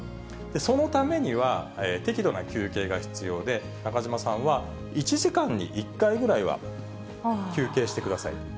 そのためには、適度な休憩が必要で、中島さんは、１時間に１回ぐらいは休憩してくださいと。